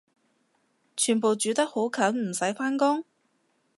全部住得好近唔使返工？